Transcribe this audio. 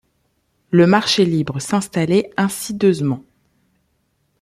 Le Marché libre s'installait insideusement.